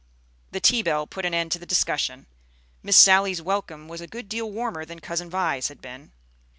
The tea bell put an end to the discussion. Miss Sally's welcome was a good deal warmer than Cousin Vi's had been.